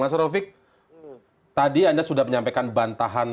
mas rofiq tadi anda sudah menyampaikan bantahan